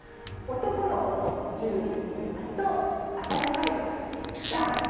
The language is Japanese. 男の子の１０位を見てみますと、あたたかいと書いてだん。